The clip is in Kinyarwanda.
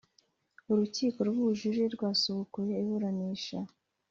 Urukiko rw’ubujurire rwasubukuye iburanisha